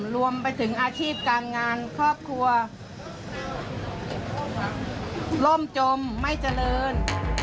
รวมไปถึงอาชีพการงานครอบครัวร่มจมไม่เจริญ